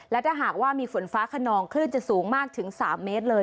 และถ้าหากว่ามีฝนฟ้าขนองคลื่นจะสูงมากถึง๓เมตรเลย